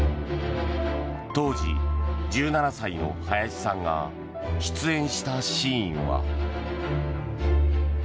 当時１７歳の早志さんが出演したシーンは。